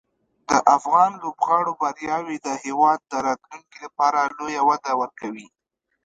د افغان لوبغاړو بریاوې د هېواد د راتلونکي لپاره لویه وده ورکوي.